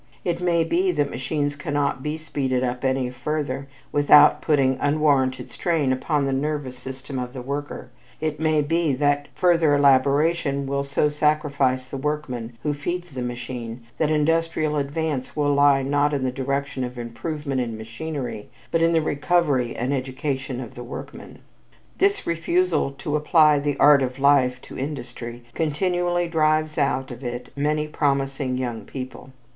It may be that machines cannot be speeded up any further without putting unwarranted strain upon the nervous system of the worker; it may be that further elaboration will so sacrifice the workman who feeds the machine that industrial advance will lie not in the direction of improvement in machinery, but in the recovery and education of the workman. This refusal to apply "the art of life" to industry continually drives out of it many promising young people.